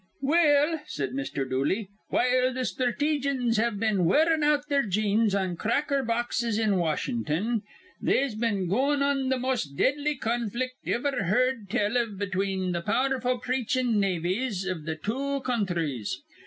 "Well," said Mr. Dooley, "while th' sthrateejans have been wearin' out their jeans on cracker boxes in Wash'n'ton, they'se been goin' on th' mos' deadly conflict iver heerd tell iv between th' pow'rful preachin' navies iv th' two counthries.